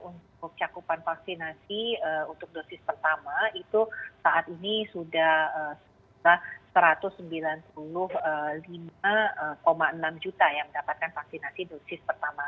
untuk cakupan vaksinasi untuk dosis pertama itu saat ini sudah satu ratus sembilan puluh lima enam juta yang mendapatkan vaksinasi dosis pertama